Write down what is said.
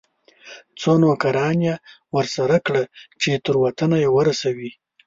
څو نوکران یې ورسره کړه چې تر وطنه یې ورسوي.